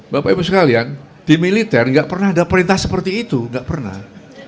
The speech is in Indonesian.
bapak ibu sekalian di militer nggak pernah ada perintah seperti itu nggak pernah